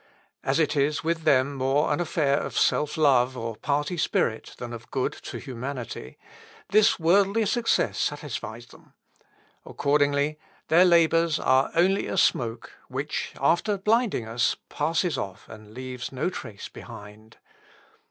As it is with them more an affair of self love, or party spirit, than of good to humanity, this worldly success satisfies them. Accordingly, their labours are only a smoke, which, after blinding us, passes off and leaves no trace behind.